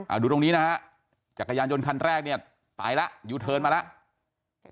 เอาดูตรงนี้นะฮะจักรยานยนต์คันแรกเนี่ยตายแล้วยูเทิร์นมาแล้ว